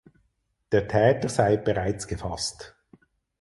Der Täter sei bereits gefasst.